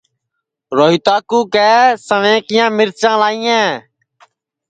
روہیتا کُُو کیہ سویں کِیا مرچاں لائیں